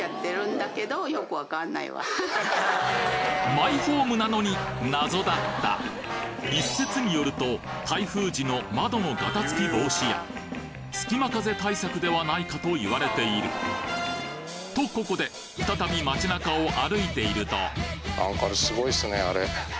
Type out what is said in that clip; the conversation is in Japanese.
マイホームなのに謎だった一説によると台風時の窓のガタつき防止や隙間風対策ではないかと言われているとここで再び街なかを歩いていると何かあれすごいっすねあれ。